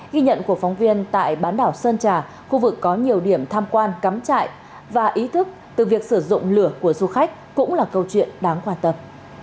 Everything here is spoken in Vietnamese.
ghi nhận của phóng viên tại bán đảo sơn trà khu vực có nhiều điểm tham quan cắm trại và ý thức từ việc sử dụng lửa của du khách cũng là câu chuyện đáng quan tâm